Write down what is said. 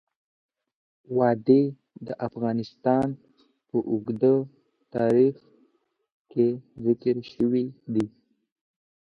وادي د افغانستان په اوږده تاریخ کې ذکر شوی دی.